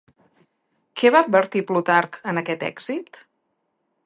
Què va advertir Plutarc en aquest èxit?